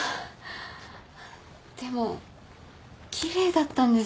でも奇麗だったんです。